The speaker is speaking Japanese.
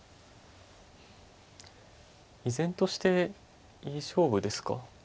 依然としていい勝負ですか。